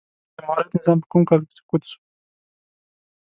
د جمهوريت نظام په کوم کال کی سقوط سو؟